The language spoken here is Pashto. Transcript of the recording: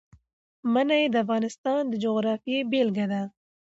منی د افغانستان د جغرافیې بېلګه ده.